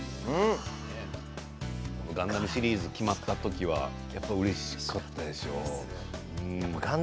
「ガンダム」シリーズが決まった時はうれしかったでしょう？